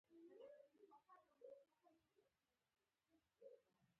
په شلي کوریا کې خلکو ته یوازې یوه اونۍ وخت ورکړل شو.